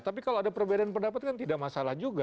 tapi kalau ada perbedaan pendapat kan tidak masalah juga